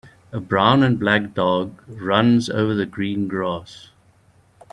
A brown and black dog runs over the green grass.